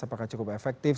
apakah cukup efektif